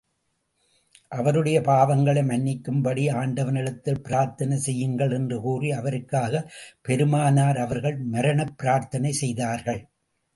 அவருடைய பாவங்களை மன்னிக்கும்படி ஆண்டவனிடத்தில் பிரார்த்தனை செய்யுங்கள் என்று கூறி, அவருக்காகப் பெருமானார் அவர்கள் மரணப் பிரார்த்தனை செய்தார்கள்.